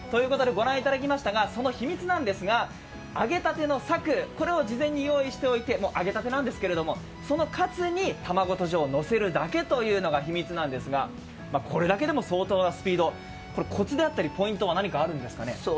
ご覧いただきましたがその秘密なんですが揚げたてのかつを事前に用意されていてもう揚げたてなんですけれども、そのかつに卵とじをのせるというのが秘密なんですが、これだけでも相当なスピード、コツであったりポイントは何かあるんですか？